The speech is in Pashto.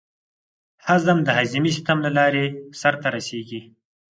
هضم د هضمي سیستم له لارې سر ته رسېږي.